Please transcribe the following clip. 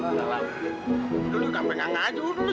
dulu kamu gak pengen ngaju dulu